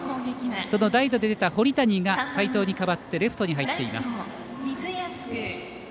その代打で出た堀谷が齊藤に代わってレフトに入っています。